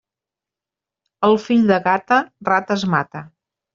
El fill de gata, rates mata.